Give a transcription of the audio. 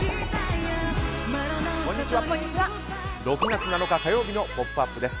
６月７日火曜日の「ポップＵＰ！」です。